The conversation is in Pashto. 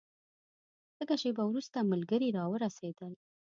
لږه شېبه وروسته ملګري راورسېدل.